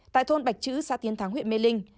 tại thôn bạch chữ xã tiến thắng huyện mê linh